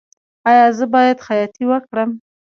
ایا زه باید خیاطۍ وکړم؟